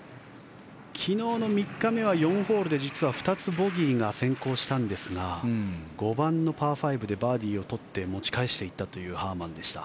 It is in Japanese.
昨日の３日目は４ホールで２つボギーが先行したんですが５番のパー５でバーディーを取って持ち返していったというハーマンでした。